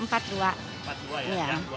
empat dua ya